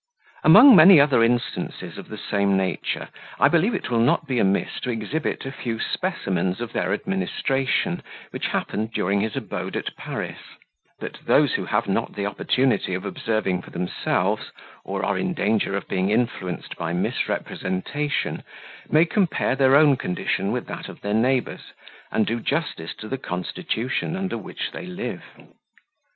Among many other instances of the same nature, I believe it will not be amiss to exhibit a few specimens of their administration, which happened during his abode at Paris; that those who have not the opportunity of observing for themselves, or are in danger of being influenced by misrepresentation, may compare their own condition with that of their neighbours, and do justice to the constitution under which they live.